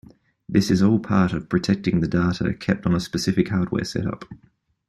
This is all part of protecting the data kept on a specific hardware setup.